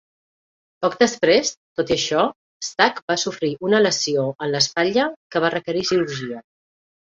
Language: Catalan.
Poc després, tot i això, Stack va sofrir una lesió en l'espatlla que va requerir cirurgia.